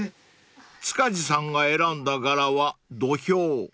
［塚地さんが選んだ柄は土俵］